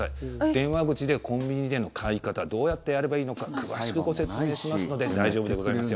電話口でコンビニでの買い方どうやってやればいいのか詳しくご説明しますので大丈夫でございますよ。